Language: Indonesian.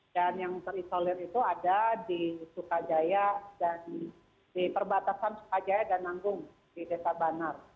dan yang terisolir itu ada di sukajaya dan di perbatasan sukajaya dan nanggung di desa banar